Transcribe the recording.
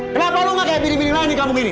kenapa lu gak kayak bini bini lain yang kamu gini